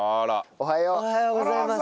おはようございます。